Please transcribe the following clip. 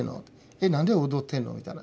えなんで踊ってんの？みたいな。